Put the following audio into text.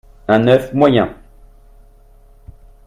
un oeuf moyen